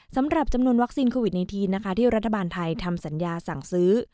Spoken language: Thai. สำหรับจำนวนวัคซีนโควิด๑๙นะคะที่รัฐบาลไทยทำสัญญาสั่งซื้อ